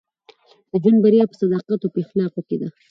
د ژوند بریا په صداقت او اخلاقو کښي ده.